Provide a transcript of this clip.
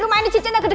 aku mau pergi dulu